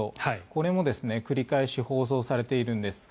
これも繰り返し放送されているんです。